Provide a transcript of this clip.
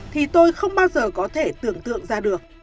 thì tôi không bao giờ có thể tưởng tượng ra được